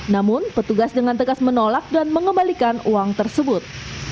namun petugas dengan tegas menolak dan mengembalikan uang tersebut